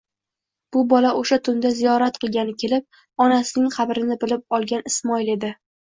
Bu bola o'sha tunda ziyorat qilgani kelib, onasining qabrini bilib olgan Ismoil edi.